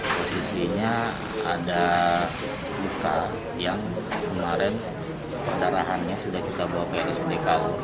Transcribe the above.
dan di situ ada buka yang kemarin penerahannya sudah bisa bawa ke rsudk